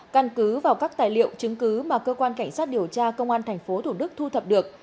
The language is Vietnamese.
căn cứ vào các tài liệu chứng cứ mà cơ quan cảnh sát điều tra công an tp thủ đức thu thập được